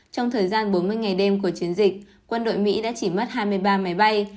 trong thời gian bốn mươi ngày đêm của chiến dịch quân đội mỹ đã chỉ mất hai mươi ba máy bay